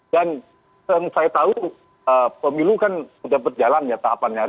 dan yang saya tahu pemilu kan sudah berjalan ya tahapannya